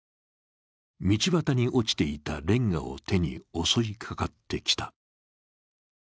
道端に落ちていたれんがを手に襲いかかってきた。